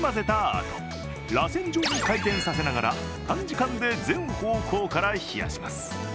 あとらせん状に回転させながら短時間で全方向から冷やします。